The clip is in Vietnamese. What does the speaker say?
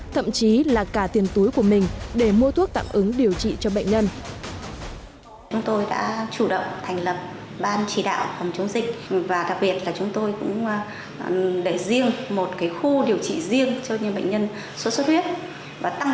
thậm chí là cả tiền túi của mình để mua thuốc tạm ứng điều trị cho bệnh nhân